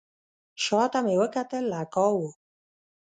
شا ته مې وکتل اکا و.